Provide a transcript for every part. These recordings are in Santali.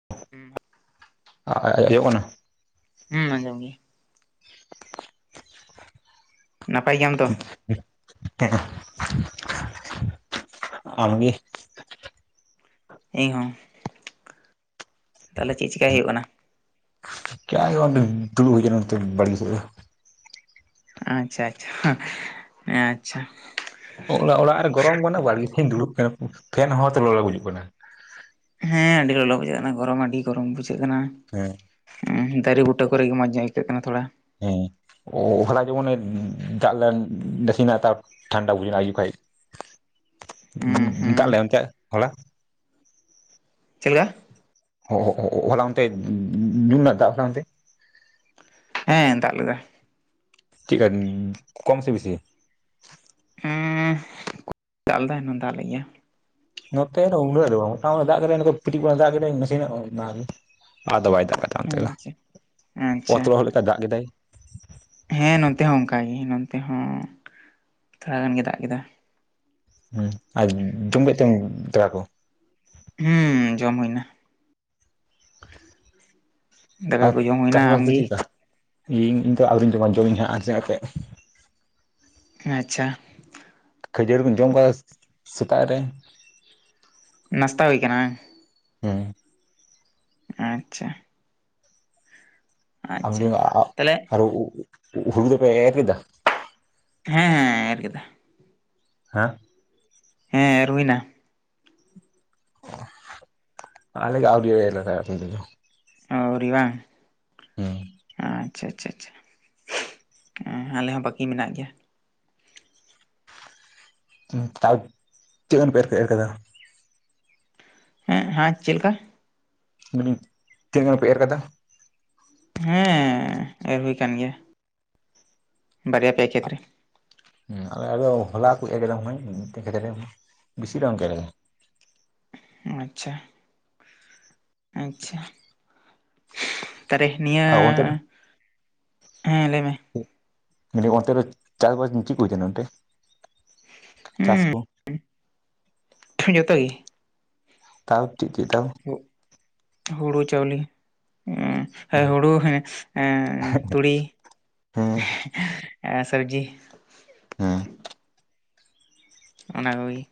[unintelligible] [unintelligible] ᱦᱩᱸ ᱟᱸᱡᱚᱢ ᱜᱮ᱾ [unintelligible] ᱱᱟᱯᱟᱭ ᱜᱮᱭᱟᱢ ᱛᱚ [inaudible] ᱟᱢᱜᱮ ᱤᱧ ᱦᱚᱸ, ᱛᱟᱦᱚᱞᱮ ᱪᱮᱫ ᱪᱮᱠᱟᱭ ᱦᱩᱭᱩᱜ ᱠᱟᱱᱟ? ᱠᱮᱭᱟ ᱜᱮ ᱵᱟᱝ ᱜᱮ ᱫᱩᱲᱩᱵ ᱦᱩᱭ ᱟᱠᱟᱱᱟ ᱵᱟᱲᱜᱮ ᱥᱮᱫ ᱨᱮ᱾ ᱟᱪᱪᱷᱟ ᱟᱪᱪᱷᱟᱸ ᱟᱪᱪᱷᱟ ᱚᱲᱟᱜ ᱚᱲᱟᱜ ᱨᱮ ᱜᱚᱨᱚᱢ ᱠᱟᱱᱟ ᱵᱟᱲᱜᱮ ᱥᱮᱫ ᱫᱩᱲᱩᱵ ᱠᱟᱱᱟ ᱯᱷᱮᱱ ᱦᱟᱣᱟ ᱛᱮ ᱞᱚᱞᱚ ᱜᱮ ᱵᱩᱡᱷᱟᱹᱜ ᱠᱟᱱᱟ᱾ ᱦᱮᱸ ᱟᱹᱰᱤ ᱞᱚᱞᱚ ᱵᱩᱡᱷᱟᱹᱜ ᱠᱟᱱᱟ ᱜᱚᱨᱚᱢ ᱟᱹᱰᱤ ᱜᱚᱨᱚᱢ ᱵᱩᱡᱷᱟᱹᱜ ᱠᱟᱱᱟ᱾ ᱦᱮᱸ ᱫᱟᱨᱮ ᱵᱩᱴᱟᱹ ᱠᱚᱨᱮ ᱜᱮ ᱢᱚᱸᱡᱽ ᱧᱚᱜ ᱟᱹᱭᱠᱟᱹᱜ ᱠᱟᱱᱟ ᱛᱷᱚᱲᱟ᱾ ᱦᱮᱸ ᱚ ᱦᱚᱞᱟ ᱡᱮᱢᱚᱱᱮ ᱫᱟᱜ ᱞᱮᱱ ᱱᱟᱥᱮ ᱱᱟᱜ ᱛᱟᱨ ᱴᱷᱟᱱᱰᱟ ᱵᱩᱡᱷᱟᱹᱜ ᱠᱟᱱᱟ ᱟᱹᱭᱩᱵ ᱠᱷᱟᱡ ᱜᱮ᱾ ᱦᱩᱸ [unintelligible] ᱦᱩᱸ ᱫᱟᱜ ᱞᱮᱫᱟᱭ ᱚᱱᱛᱮ ᱦᱚᱞᱟ? ᱪᱮᱫ ᱞᱮᱠᱟ? ᱦᱚ-ᱦᱚ-ᱦᱚ-ᱦᱚᱞᱟ ᱚᱱᱛᱮ ᱧᱩᱨ ᱱᱟ ᱫᱟᱜ ᱦᱚᱞᱟ ᱚᱱᱛᱮ? ᱦᱮᱸ ᱫᱟᱜ ᱞᱮᱫᱟ᱾ ᱪᱮᱜᱠᱟ ᱠᱚᱢ ᱥᱮ ᱵᱤᱥᱤ? ᱩᱸ [inaudible] ᱫᱟᱜ ᱞᱮᱜ ᱫᱟᱜ ᱞᱮᱭᱟ᱾ ᱱᱚᱛᱮᱫᱚ ᱩᱱᱟᱹᱜ ᱫᱚ ᱵᱟᱝᱟ ᱢᱚᱴᱟᱢᱩᱴᱤ ᱫᱟᱜ ᱠᱮᱫᱟᱭ ᱯᱤᱴᱤ ᱯᱷᱟᱴᱟ ᱫᱟᱜ ᱱᱟᱥᱮᱱᱟᱜ ᱚᱱᱟ ᱟᱫᱚ ᱵᱟᱭ ᱫᱟᱜ ᱠᱟᱫᱟ᱾ ᱛᱟᱢᱛᱮ ᱫᱚ ᱟᱪᱪᱷᱟ ᱚᱛ ᱟᱪᱪᱷᱟ ᱞᱚᱦᱚᱫ ᱞᱮᱠᱟ ᱫᱟᱜ ᱠᱮᱫᱟᱭ᱾ ᱦᱮᱸ ᱱᱚᱛᱮ ᱦᱚᱸ ᱚᱱᱠᱟᱜᱮ, ᱱᱚᱛᱮ ᱦᱚᱸ ᱛᱷᱚᱲᱟ ᱜᱟᱱ ᱜᱮ ᱫᱟᱜ ᱠᱮᱫᱟ᱾ ᱦᱮᱸ ᱟᱨ ᱡᱚᱢ ᱠᱮᱫ ᱛᱮᱢ ᱫᱟᱠᱟ ᱠᱚ᱾ ᱦᱩᱸ ᱡᱚᱢ ᱦᱩᱭᱱᱟ᱾ ᱫᱟᱠᱟ ᱟᱨ ᱠᱚ ᱡᱚᱢ ᱦᱩᱭᱱᱟ ᱪᱟᱥ ᱵᱟᱥ ᱫᱚ ᱟᱢᱜᱮ ᱪᱤᱫᱠᱟ ᱤᱧ ᱤᱧ ᱫᱚ ᱟᱨᱤᱧ ᱡᱚᱢᱟ ᱡᱚᱢ ᱤᱧ ᱦᱟᱸᱜ ᱟᱨ ᱠᱟᱹᱡ ᱠᱟᱛᱮᱜ᱾ ᱟᱪᱪᱷᱟ ᱠᱷᱟᱹᱡᱟᱹᱲᱤ ᱵᱤᱧ ᱡᱚᱢ ᱠᱟᱫᱟ ᱥᱮᱛᱟᱜ ᱨᱮ᱾ ᱱᱟᱥᱛᱟ ᱦᱩᱭ ᱠᱟᱱᱟ᱾ ᱦᱩᱸ ᱟᱪᱪᱷᱟ ᱟᱢ ᱟᱪᱪᱷᱟ ᱛᱟᱦᱚᱞᱮ ᱟ-ᱟ- ᱦᱩ-ᱦᱩᱲᱩ ᱫᱚᱯᱮ ᱮᱨ ᱠᱮᱫᱟ? ᱦᱮᱸ ᱦᱮᱸ ᱮᱨ ᱠᱮᱫᱟ᱾ ᱦᱮᱸ ᱦᱮᱸ ᱨᱮ ᱦᱩᱭᱱᱟ᱾ ᱟᱞᱮ ᱜᱮ ᱟᱹᱣᱨᱤᱭᱟᱜᱼᱟ [unintelligible] ᱟᱹᱣᱨᱤ ᱵᱟᱝ᱾ ᱦᱩᱸ ᱟᱪᱪᱷᱟ ᱟᱪᱪᱷᱟ ᱪᱷᱟ ᱟᱞᱮ ᱦᱚᱸ ᱵᱟᱹᱠᱤ ᱢᱮᱱᱟᱜ ᱜᱮᱭᱟ᱾ ᱛᱟᱣ ᱛᱤᱱᱟᱹᱜ ᱜᱟᱱ ᱨᱮ ᱯᱮ ᱮᱨ ᱟᱠᱟᱫᱟ? ᱦᱮᱸ ᱦᱟᱸ ᱪᱮᱜ ᱞᱮᱠᱟ? ᱛᱤᱱᱟᱹᱜ ᱜᱟᱱ ᱯᱮ ᱨᱮ ᱠᱟᱫᱟ? ᱦᱮᱸ ᱮᱨ ᱦᱩᱭ ᱠᱟᱱ ᱜᱮᱭᱟ᱾ ᱵᱟᱨᱭᱟ ᱯᱮᱭᱟ ᱠᱷᱮᱛ ᱨᱮ᱾ ᱦᱮᱸ ᱟᱞᱮ ᱟᱫᱚ ᱦᱚᱞᱟ ᱠᱚ ᱮᱨ ᱠᱮᱫᱟ ᱢᱚᱱᱮᱦᱚᱭ ᱢᱤᱫᱴᱮᱱ ᱠᱷᱮᱛᱨᱮ ᱵᱤᱥᱤ ᱫᱚ ᱵᱟᱝ ᱠᱚ ᱮᱨ ᱠᱮᱫᱟ᱾ ᱟᱪᱪᱷᱟ ᱟᱪᱪᱷᱟ ᱛᱟᱨᱮ ᱱᱤᱭᱟᱹ ᱟᱨ ᱚᱱᱛᱮ ᱦᱮᱸ ᱞᱟᱹᱭ ᱢᱮ ᱢᱮᱱᱫᱟᱹᱧ ᱚᱱᱛᱮ ᱨᱮ ᱪᱟᱥ ᱵᱟᱥ ᱪᱮᱷ ᱠᱚ ᱦᱩᱭ ᱠᱟᱱᱟ ᱚᱱᱛᱮ ᱪᱟᱥ ᱦᱩᱸ ᱠᱚ? ᱡᱚᱛᱚ ᱜᱮ᱾ ᱛᱟᱣ ᱪᱮᱜ ᱪᱮᱜ ᱛᱟᱣ? ᱦᱩᱜ ᱦᱩᱲᱩ ᱪᱟᱣᱞᱤ᱾ ᱦᱮᱸ ᱦᱩᱲᱩ ᱦᱮᱸ ᱮᱸ ᱛᱩᱲᱤ᱾ ᱦᱮᱸ ᱮᱸ ᱥᱚᱵᱡᱤ ᱦᱮᱸ ᱚᱱᱟ ᱠᱚᱜᱮ᱾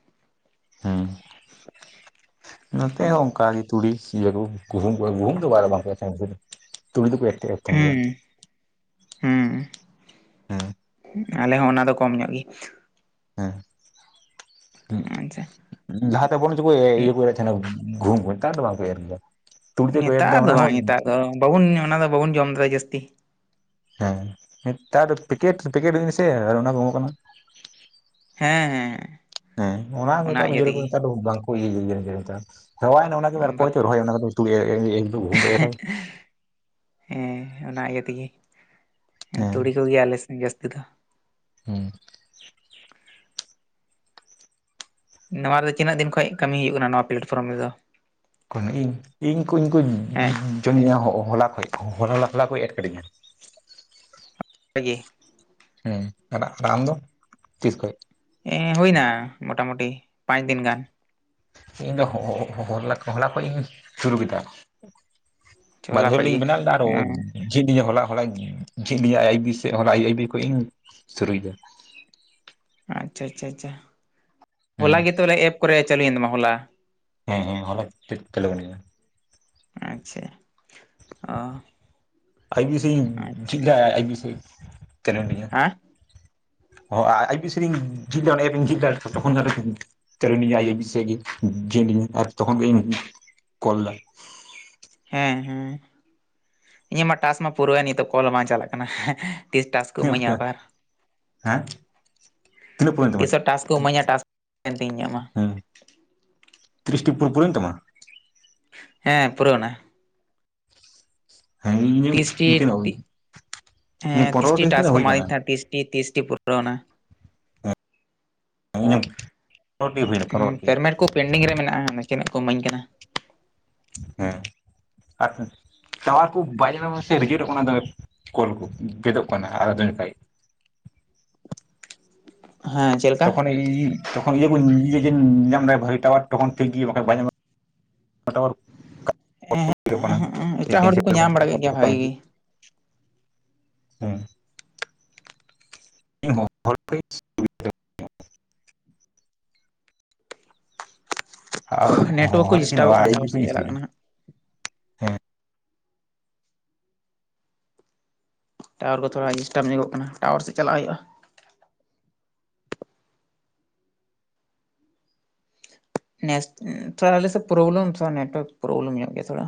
ᱦᱮᱸ ᱱᱚᱛᱮ ᱦᱚᱸ ᱚᱝᱠᱟ ᱜᱤ᱾ ᱛᱩᱲᱤ ᱤᱭᱟᱹ ᱠᱚ ᱜᱩᱦᱩᱢ ᱠᱚ ᱜᱩᱦᱩᱢ ᱫᱚ ᱵᱟᱨ ᱵᱟᱝ ᱛᱩᱲᱤ ᱫᱚᱠᱚ ᱮᱨ ᱛᱟᱦᱮᱱ ᱜᱮᱭᱟ᱾ ᱦᱮᱸ ᱦᱮᱸ ᱟᱞᱮ ᱦᱚᱸ ᱚᱱᱟ ᱫᱚ ᱠᱚᱢ ᱧᱚᱜ ᱜᱮ᱾ ᱦᱮᱸ ᱟᱪᱪᱷᱟ ᱦᱩᱸ ᱞᱟᱦᱟᱛᱮ ᱵᱚᱨᱟᱝ ᱪᱟ ᱠᱚ ᱤᱭᱟᱹ ᱠᱚ ᱮᱨ ᱛᱟᱦᱮᱱᱟ ᱜᱩᱦᱩᱢ ᱠᱚ ᱱᱮᱛᱟᱨ ᱫᱚ ᱵᱟᱝᱠᱚ ᱮᱨ ᱜᱮᱭᱟ᱾ ᱛᱩᱲᱤ ᱛᱮᱠᱚ ᱮᱨ ᱧᱮᱛᱟᱨ ᱮᱫᱟ ᱫᱚ ᱚᱱᱟ ᱵᱟᱝ ᱦᱚᱸ ᱧᱮᱛᱟᱨ ᱫᱚ ᱵᱟᱵᱚᱱ ᱚᱱᱟ ᱫᱚ ᱵᱟᱵᱚᱱ ᱡᱚᱢ ᱫᱟ ᱡᱟᱹᱥᱛᱤ᱾ ᱦᱮᱸ ᱱᱮᱛᱟᱨ ᱯᱮᱠᱮᱴ ᱯᱮᱠᱮᱴ ᱦᱩᱭᱱᱟᱥᱮ ᱚᱱᱟ ᱠᱚ ᱮᱢᱚᱜ ᱠᱟᱱᱟ᱾ ᱦᱮᱸ ᱦᱮᱸ ᱦᱮᱸ ᱚᱱᱟ ᱱᱮᱛᱟᱨ ᱤᱭᱟᱹ ᱱᱤᱡᱠᱚ ᱛᱮᱜᱮ ᱱᱮᱛᱟᱨ ᱫᱚ ᱵᱟᱝ ᱠᱚ ᱵᱟᱠᱚ [unintelligible] ᱩᱱ ᱫᱚ ᱮᱨᱟᱭ ᱦᱮᱸ ᱚᱱᱟ ᱤᱭᱟᱹ ᱛᱮᱜᱮ ᱦᱮᱸ ᱛᱩᱲᱤ ᱠᱚᱜᱮ ᱟᱞᱮ ᱥᱮᱱ ᱡᱟᱹᱥᱛᱤ ᱫᱚ᱾ ᱦᱩᱸ ᱱᱚᱣᱟ ᱨᱮᱫᱚ ᱛᱤᱱᱟᱹᱜ ᱫᱤᱱ ᱠᱷᱚᱡ ᱠᱟᱹᱢᱤ ᱦᱩᱭᱩᱜ ᱠᱟᱱᱟ ᱱᱚᱣᱟ ᱯᱞᱟᱴᱯᱷᱚᱨᱚᱢ ᱨᱮᱫᱚ᱾ ᱚᱱ ᱤᱧ ᱠᱚᱧ ᱠᱚᱧ ᱠᱚ ᱦᱮᱸ ᱡᱚᱢ ᱧᱟᱜᱟ ᱦᱚᱞᱟ ᱠᱷᱚᱱ ᱦᱚᱞᱟ ᱠᱷᱚᱱ ᱮᱴ ᱠᱟᱹᱤᱧᱟ᱾ ᱜᱮ ᱦᱮᱸ ᱟᱨ ᱟᱢ ᱫᱚ ᱛᱤᱥ ᱠᱷᱚᱡ? ᱮᱸ ᱦᱩᱭ ᱱᱟ ᱢᱚᱴᱟ ᱢᱩᱴᱤ ᱯᱟᱸᱪ ᱫᱤᱱ ᱜᱟᱱ᱾ ᱤᱧ ᱫᱚ ᱦᱚ ᱦᱚᱞᱟ ᱠᱷᱚᱱ ᱤᱧ ᱥᱩᱨᱩ ᱠᱮᱫᱟ᱾ ᱥᱮ ᱦᱚᱞᱟ ᱢᱟᱫᱷᱩᱨ ᱠᱷᱚᱡ ᱜᱮ ᱞᱤᱧ ᱵᱮᱱᱟᱣ ᱮᱫᱟ ᱟᱨᱦᱚ ᱦᱮᱸ ᱡᱷᱤᱡ ᱞᱤᱧᱟ ᱦᱚᱞᱟ ᱦᱚᱞᱟᱧ ᱡᱷᱤᱡ ᱞᱤᱧᱟᱹ ᱟᱭ ᱰᱤ ᱥᱮ ᱦᱚᱞᱟ ᱟᱭ ᱟᱭ ᱰᱤ ᱠᱷᱚᱱ ᱤᱧ ᱥᱩᱨᱩᱭᱮᱫᱟ ᱟᱪᱪᱷᱟ ᱟᱪᱪᱷᱟ ᱟᱪᱪᱷᱟ ᱦᱮᱸ ᱦᱚᱞᱟ ᱜᱮᱛᱚ ᱵᱚᱞᱮ ᱮᱯ ᱠᱚᱨᱮ ᱪᱟᱹᱞᱩᱭᱮᱱ ᱛᱟᱢᱟ ᱦᱚᱞᱟ ᱦᱮᱸ ᱦᱮᱸ [unintelligible] ᱟᱪᱪᱷᱟ ᱚ ᱟᱭ ᱵᱤᱮᱥᱤᱧ ᱡᱷᱤᱡ ᱟᱪᱪᱷᱟ ᱞᱮᱜᱼᱟ, ᱟᱭᱵᱤ ᱥᱤ ᱛᱮᱞᱮᱱ ᱛᱤᱧᱟ᱾ ᱦᱮᱸ ᱦᱚᱼᱦᱚ ᱟᱼᱟ ᱟᱭ ᱵᱤ ᱥᱤᱧ ᱡᱷᱤᱡ ᱫᱟ ᱚᱸᱰᱮ ᱮᱯ ᱤᱧ ᱡᱷᱤᱡ ᱫᱟ ᱛᱚᱠᱷᱚᱱ [unintelligible] [unintelligible] ᱟᱨ ᱛᱚᱠᱷᱚᱱ ᱜᱮᱧ ᱠᱚᱞᱫᱟ᱾ ᱦᱮᱸ ᱦᱮᱸ ᱤᱧᱟᱹᱜ ᱢᱟ ᱴᱟᱥ ᱢᱟ ᱯᱩᱨᱟᱹᱣᱮᱱ ᱱᱤᱛᱚᱜ ᱠᱚᱞ ᱦᱚᱸ ᱵᱟᱝ ᱪᱟᱞᱟᱜ ᱠᱟᱱᱟ᱾ ᱛᱤᱥ ᱴᱟᱥ ᱠᱚ ᱛᱤᱱᱟᱹᱜ ᱤᱢᱟᱹᱧᱟ ᱚᱠᱛᱚ ᱟᱵᱟᱨ ᱦᱮᱸ ᱛᱤᱱᱟᱹᱜ ᱯᱩᱨᱟᱹᱣᱮᱱ ᱛᱟᱢᱟ ᱛᱤᱥᱚᱜ ᱴᱟᱥ ᱠᱚ ᱤᱢᱟᱹᱧᱟ ᱴᱟᱥᱱ ᱛᱤᱧ ᱤᱧᱟᱜ ᱢᱟ᱾ ᱛᱨᱤᱥᱴᱤ ᱯᱩ-ᱯᱩᱨᱟᱹᱣᱮᱱ ᱛᱟᱢᱟ? ᱦᱮᱸ ᱯᱩᱨᱟᱹᱣᱱᱟ᱾ ᱦᱮᱸ ᱤᱧᱟᱹᱜ ᱛᱤᱥᱴᱤ ᱛᱤᱱᱟᱹᱜ ᱤᱧᱟᱹᱜ ᱦᱮᱸ ᱛᱤᱥᱴᱤ ᱯᱚᱱᱨᱚᱴᱤ ᱴᱟᱥ ᱛᱤᱱᱟᱹᱜ ᱠᱚ ᱦᱩᱭ ᱟᱠᱟᱱᱟ ᱮᱢᱟᱣᱫᱤᱧ ᱛᱟᱦᱮᱸᱱᱟ ᱛᱤᱥᱴᱤ ᱛᱤᱥᱴᱤ ᱯᱩᱨᱟᱹᱣᱱᱟ᱾ ᱤᱧᱟᱹᱜ ᱯᱚᱱᱨᱚᱴᱤ ᱦᱩᱭᱱᱟ ᱩᱸ ᱯᱚᱱᱨᱚᱴᱤ ᱯᱮᱨᱢᱮᱱᱴ ᱠᱚ ᱯᱮᱱᱰᱤᱝ ᱨᱮ ᱢᱮᱱᱟᱜᱼᱟ, ᱱᱟᱪᱮᱱᱟᱜ ᱠᱚ ᱤᱢᱟᱹᱧ ᱠᱟᱱᱟ᱾ ᱦᱮᱸ ᱟᱨ ᱴᱟᱣᱟᱨ ᱠᱚ ᱵᱟᱭ ᱧᱟᱢᱮᱫᱟ ᱥᱮ ᱨᱮᱸᱡᱮᱴᱚᱜ ᱠᱟᱱᱟ ᱫᱚᱢᱮ ᱠᱚᱞ ᱠᱚ ᱜᱮᱫᱚᱜ ᱠᱟᱱᱟ ᱟᱫᱚ ᱡᱟᱹᱱᱤᱡ ᱠᱷᱟᱡ ᱦᱮᱸ ᱪᱮᱫ ᱞᱮᱠᱟ ᱛᱚᱠᱷᱚ ᱭᱤᱼᱭᱤ ᱛᱚᱠᱷᱚᱱ ᱤᱭᱟᱹᱵᱚᱱ ᱭᱟᱹᱼᱭᱟᱹᱧ ᱧᱟᱢ ᱫᱟᱭ ᱵᱷᱟᱹᱜᱤ ᱴᱟᱣᱟᱨ ᱛᱚᱠᱷᱚᱱ ᱴᱷᱤᱠ ᱜᱮ ᱵᱟᱠᱷᱟᱡ ᱵᱟᱭ ᱧᱟᱢ ᱴᱟᱣᱟᱨ ᱮᱴᱟᱜ ᱦᱚᱲ ᱫᱚᱠᱚ ᱧᱟᱢ ᱵᱟᱲᱟ [unintelligible] ᱠᱮᱫ ᱜᱮᱭᱟ ᱵᱷᱟᱜᱤ ᱜᱮ ᱦᱚᱸ ᱤᱧ ᱦᱚᱸ [unintelligible] ᱟᱜ ᱱᱮᱴᱣᱟᱨᱠ ᱠᱚ ᱦᱚᱲ ᱛᱤᱱᱟᱹᱜ ᱰᱤᱥᱴᱟᱵᱚᱜ ᱠᱟᱱᱟ ᱴᱟᱣᱟᱨ ᱟ-ᱟᱭᱰᱤ ᱠᱚ ᱥᱮᱫ ᱡᱟᱥᱛᱤᱭ ᱪᱟᱞᱟᱜ ᱮᱫᱟ᱾ ᱠᱟᱱᱟ ᱦᱟᱸᱜ᱾ ᱴᱟᱣᱟᱨ ᱠᱚ ᱛᱷᱚᱲᱟ ᱰᱤᱥᱴᱟᱯ ᱧᱚᱜᱚᱜ ᱠᱟᱱᱟ ᱴᱟᱣᱟᱨ ᱥᱮᱜ ᱪᱟᱞᱟᱜ ᱦᱩᱭᱩᱜᱼᱟ᱾ ᱱᱮᱥ ᱛᱷᱚᱲᱟ ᱟᱞᱮ ᱥᱮᱜ ᱯᱨᱚᱵᱞᱮᱢ ᱛᱷᱚᱲᱟ ᱱᱮᱴᱣᱟᱨᱠ ᱯᱨᱚᱵᱞᱮᱢ ᱧᱚᱜ ᱜᱮᱭᱟ ᱛᱷᱚᱲᱟ᱾